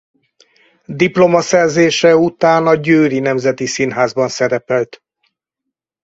Diplomaszerzése után a Győri Nemzeti Színházban szerepelt.